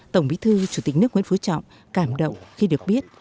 tổng bí thư chủ tịch nước nguyễn phú trọng cảm động khi được biết